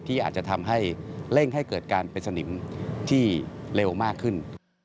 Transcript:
ที่อาจจะทำให้เร่งให้เกิดการเป็นสนิมที่เร็วมากขึ้น